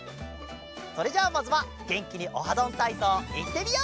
それじゃあまずはげんきに「オハどんたいそう」いってみよう！